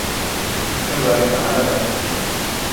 اپنے بارے میں اعلی رائے رکھتا ہوں